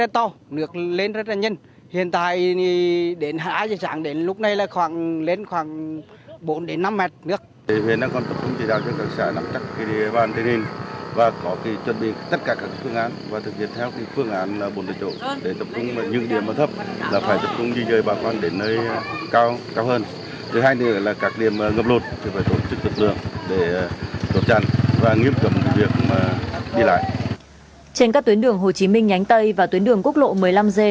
trên các tuyến đường hồ chí minh nhánh tây và tuyến đường quốc lộ một mươi năm g